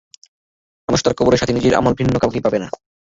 মানুষ তার কবরের সাথী নিজের আমল ভিন্ন কাউকেই পাবে না।